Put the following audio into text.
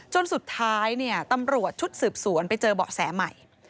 จนสุดท้ายตำรวจชุดสืบสวนไปเจอเบาะแสใหม่